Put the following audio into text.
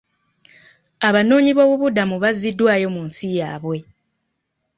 Abanoonyiboobubudamu bazziddwayo mu nsi yaabwe.